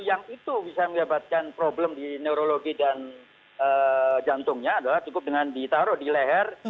yang itu bisa menyebabkan problem di neurologi dan jantungnya adalah cukup dengan ditaruh di leher